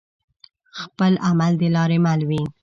خپل عمل د لاري مل وي